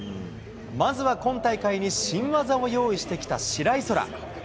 まずは、今大会に新技を用意してきた白井空良。